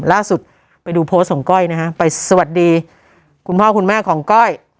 ล่าสุดไปดูโพสต์ของก้อยนะฮะไปสวัสดีคุณพ่อคุณแม่ของก้อย